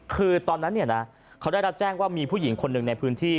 คือตอนนั้นเขาได้รับแจ้งว่ามีผู้หญิงคนหนึ่งในพื้นที่